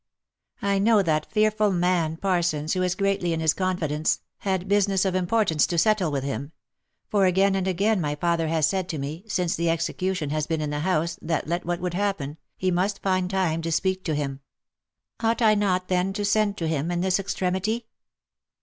I know that fearful man Parsons, who is greatly in his confidence, had business of importance to settle with him ; for again and again my father has said to me, since the execution has been in the house, that let what would happen, he must find time to speak to him. Ought I not then to send to him in this extremity